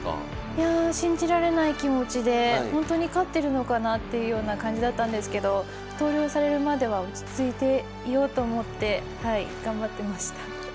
いや信じられない気持ちでほんとに勝ってるのかなっていうような感じだったんですけど投了されるまでは落ち着いていようと思って頑張ってました。